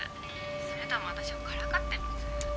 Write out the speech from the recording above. それとも私をからかってます？